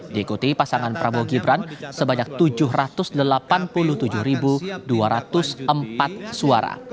diikuti pasangan prabowo gibran sebanyak tujuh ratus delapan puluh tujuh dua ratus empat suara